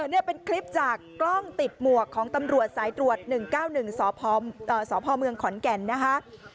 นี่เป็นคลิปจากกล้องติดหมวกของตำรวจสายตรวจ๑๙๑สพเมืองขอนแก่นนะคะ